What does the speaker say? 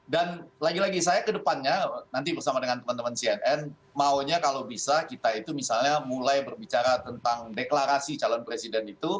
dan lagi lagi saya kedepannya nanti bersama dengan teman teman cnn maunya kalau bisa kita itu misalnya mulai berbicara tentang deklarasi calon presiden itu